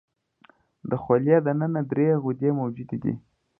د خولې د ننه درې غدې موجودې دي.